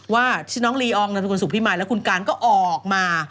ว่าชื่อน้องลีอองนามสกุลสุขพิมายแล้วคุณการก็ออกมา